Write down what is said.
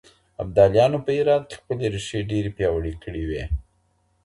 ابدالیانو په هرات کې خپلې ریښې ډېرې پياوړې کړې وې.